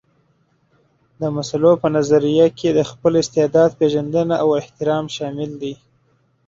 د مسلو په نظريه کې د خپل استعداد پېژندنه او احترام شامل دي.